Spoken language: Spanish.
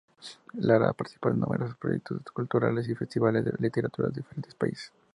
Lara ha participado en numerosos proyectos culturales y festivales de literatura de diferentes países.